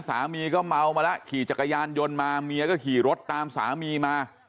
สามีก็เมามาแล้วขี่จักรยานยนต์มาเมียก็ขี่รถตามสามีมา